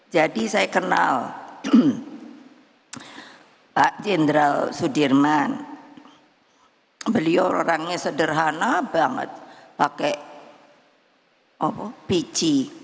jadi saya kenal pak jendral sudirman beliau orangnya sederhana banget pakai pc